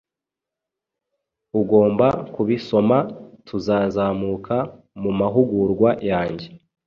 Ugomba kubisoma. Tuzazamuka mumahugurwa yanjye